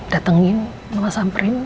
datengin mama samperin